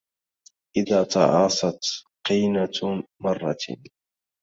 إذا تعاصت قينة مرة